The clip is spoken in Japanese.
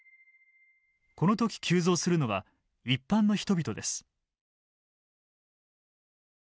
この時急増するのは一般の人々です。